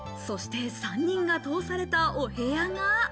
そして３人が通されたお部屋が。